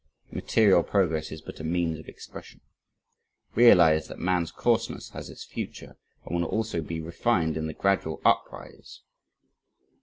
Material progress is but a means of expression. Realize that man's coarseness has its future and will also be refined in the gradual uprise.